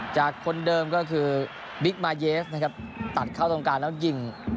จากคนเดิมก็คือตัดเข้าตรงกลางแล้วกิ่ง